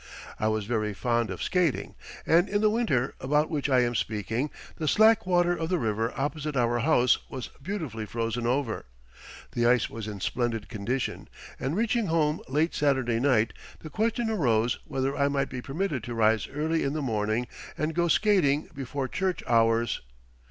I was very fond of skating, and in the winter about which I am speaking, the slack water of the river opposite our house was beautifully frozen over. The ice was in splendid condition, and reaching home late Saturday night the question arose whether I might be permitted to rise early in the morning and go skating before church hours.